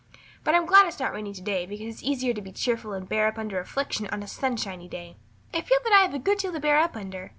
But I'm glad it's not rainy today because it's easier to be cheerful and bear up under affliction on a sunshiny day. I feel that I have a good deal to bear up under.